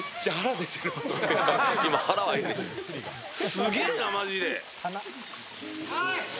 すげぇな、マジで。